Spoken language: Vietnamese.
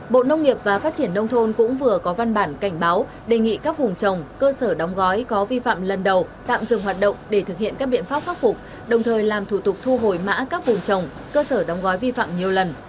bộ nông nghiệp và phát triển nông thôn cũng vừa có văn bản cảnh báo đề nghị các vùng trồng cơ sở đóng gói có vi phạm lần đầu tạm dừng hoạt động để thực hiện các biện pháp khắc phục đồng thời làm thủ tục thu hồi mã các vùng trồng cơ sở đóng gói vi phạm nhiều lần